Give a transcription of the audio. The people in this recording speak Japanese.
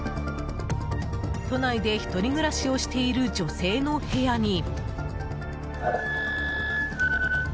都内で１人暮らしをしている女性の部屋に。